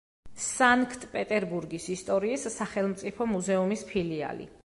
სანქტ-პეტერბურგის ისტორიის სახელმწიფო მუზეუმის ფილიალი.